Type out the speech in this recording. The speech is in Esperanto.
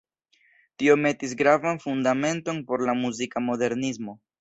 Tio metis gravan fundamenton por la muzika modernismo.